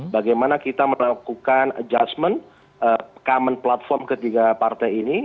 bagaimana kita melakukan adjustment common platform ketiga partai ini